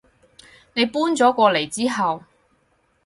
你搬咗過嚟之後